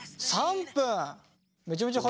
３分？